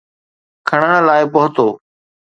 کڻڻ لاءِ پهتو.